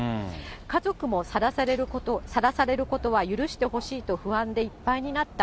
家族もさらされることは許してほしいと不安でいっぱいになった。